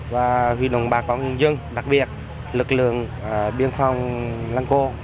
và huy động bà con dân đặc biệt lực lượng biên phòng lang co